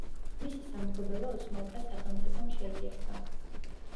მისი სამფლობელო ოსმალთა სახელმწიფომ შეიერთა.